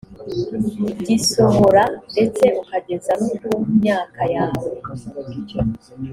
gisohora ndetse ukageza no ku myaka yawe